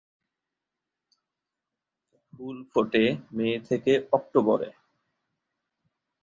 ফুল ফোটে মে থেকে অক্টোবরে।